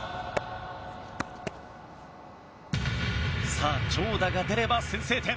さあ長打が出れば先制点。